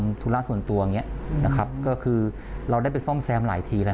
ธุระส่วนตัวอย่างเงี้ยนะครับก็คือเราได้ไปซ่อมแซมหลายทีแล้ว